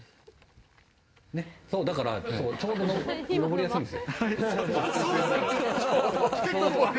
だからちょうど登りやすいんですよ。